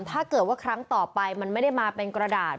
ถ้าเกิดว่าครั้งต่อไปมันไม่ได้มาเป็นกระดาษ